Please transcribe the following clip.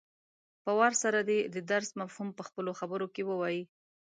په وار سره دې د درس مفهوم په خپلو خبرو کې ووايي.